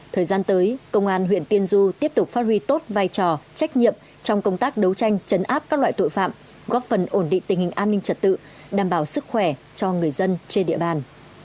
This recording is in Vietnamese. thời gian tới công an huyện tiên du tiếp tục phát huy tốt vai trò trách nhiệm trong công tác đấu tranh chấn áp các loại tội phạm góp phần ổn định tình hình an ninh trật tự đảm bảo sức khỏe cho người dân trên địa bàn